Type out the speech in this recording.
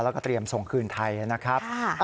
แล้วก็เตรียมส่งคืนไทยนะครับ